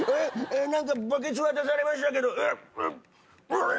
何かバケツ渡されましたけどウッブロロロ！